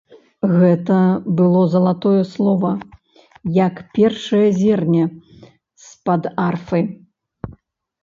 Гэта было залатое слова, як першае зерне з-пад арфы.